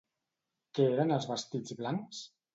Què eren els vestits blancs?